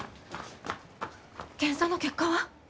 検査の結果は？